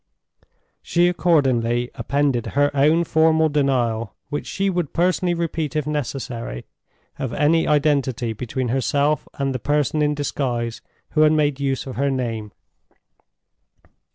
She accordingly appended her own formal denial—which she would personally repeat if necessary—of any identity between herself and the person in disguise who had made use of her name.